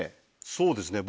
そうですね